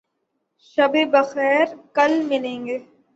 شب بخیر. کل ملیں گے